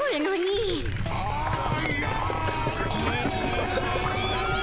ああ。